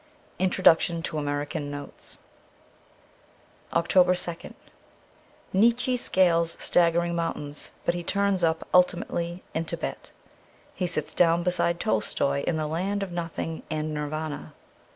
Introduction to 'American Notes.' 307 X 2 OCTOBER 2nd NIETZSCHE scales staggering mountains, but he turns up ultimately in Tibet. He sits down beside Tolstoy in the land of nothing and Nirvana.